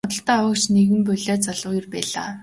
Худалдан авагч нь нэгэн булиа залуу эр байлаа.